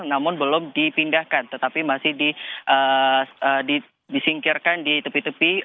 namun belum dipindahkan tetapi masih disingkirkan di tepi tepi